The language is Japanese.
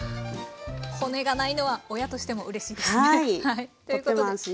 骨がないのは親としてもうれしいですね。